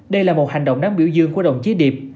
đây là một hành động đáng biểu dương của đồng chí điệp